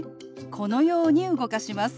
このように動かします。